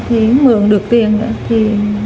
thì mượn được tiền nữa thì tôi lên bảo chính quyền